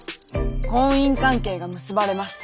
婚姻関係が結ばれました。